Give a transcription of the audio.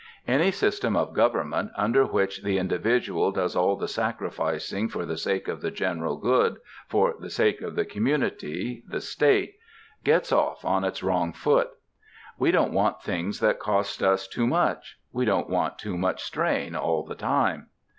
Any system of government under which the individual does all the sacrificing for the sake of the general good, for the sake of the community, the State, gets off on its wrong foot. We don't want things that cost us too much. We don't want too much strain all the time.